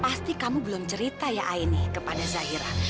pasti kamu belum cerita ya aini kepada zahira